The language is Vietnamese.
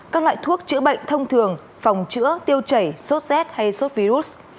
các loại thuốc chữa bệnh thông thường phòng chữa tiêu chảy sốt z hay sốt virus